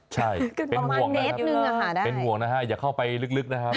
ใช่เป็นห่วงนะครับอย่าเข้าไปลึกนะครับ